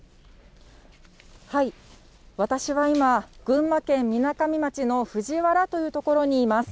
私は今、群馬県みなかみ町の藤原という所にいます。